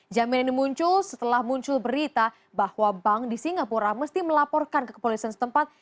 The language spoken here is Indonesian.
jaminan ini muncul setelah muncul berita bahwa bank di singapura mesti melaporkan ke kepolisian setempat